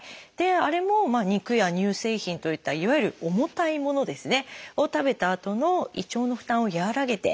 あれも肉や乳製品といったいわゆる重たいものを食べたあとの胃腸の負担を和らげてくれる。